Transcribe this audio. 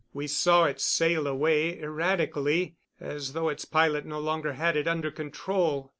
We saw it sail away erratically, as though its pilot no longer had it under control.